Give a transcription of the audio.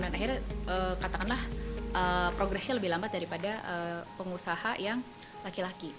dan akhirnya katakanlah progresnya lebih lambat daripada pengusaha yang laki laki